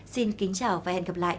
xin kính chào và hẹn gặp lại